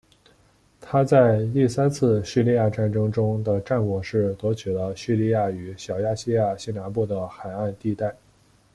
他在第三次叙利亚战争中的战果是夺取了叙利亚与小亚细亚西南部的海岸地带。